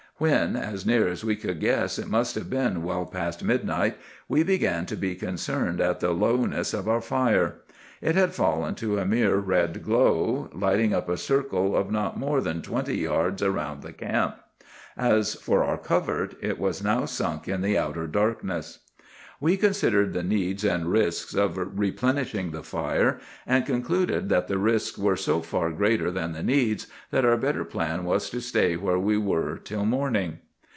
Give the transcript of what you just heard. When, as near as we could guess, it must have been well past midnight, we began to be concerned at the lowness of our fire. It had fallen to a mere red glow, lighting up a circle of not more than twenty yards around the camp. As for our covert, it was now sunk in the outer darkness. "We considered the needs and risks of replenishing the fire, and concluded that the risks were so far greater than the needs, that our better plan was to stay where we were till morning.